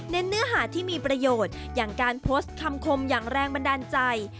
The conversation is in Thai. เนื้อหาที่มีประโยชน์อย่างการโพสต์คำคมอย่างแรงบันดาลใจ